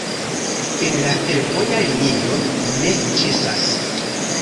En la fervoja linio ne ĉesas.